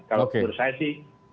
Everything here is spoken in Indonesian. kalau menurut saya sih